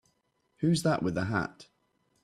Who's that with the hat?